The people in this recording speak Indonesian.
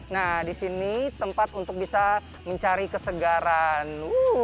nah di sini tempat untuk bisa mencari kesegaran